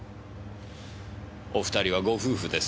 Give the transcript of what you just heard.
お２人はご夫婦です。